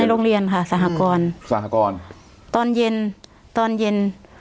โรงเรียนค่ะสหกรสหกรตอนเย็นตอนเย็น